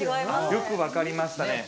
よく分かりましたね。